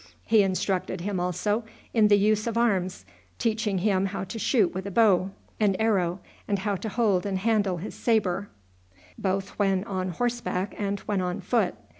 He instructed him also in the use of arms, teaching him how to shoot with a bow and arrow, and how to hold and handle his sabre, both when on horseback and when on foot.